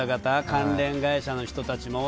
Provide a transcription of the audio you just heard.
関連会社の人たちも。